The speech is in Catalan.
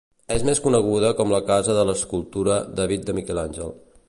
És més coneguda com la casa de l'escultura "David" de Miquel Àngel.